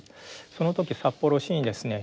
その時札幌市にですね